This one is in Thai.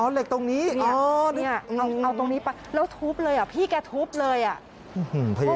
เหล็กตรงนี้เอาตรงนี้ไปแล้วทุบเลยอ่ะพี่แกทุบเลยอ่ะ